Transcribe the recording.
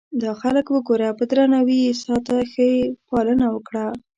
دا خلک وګوره په درناوي یې ساته ښه یې پالنه وکړه.